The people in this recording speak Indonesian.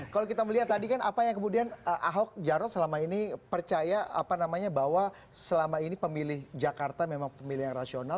kalau kita melihat tadi kan apa yang kemudian ahok jarod selama ini percaya apa namanya bahwa selama ini pemilih jakarta memang pemilih yang rasional